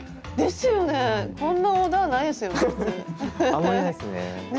あんまりないっすね。